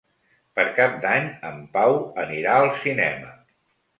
Per Cap d'Any en Pau anirà al cinema.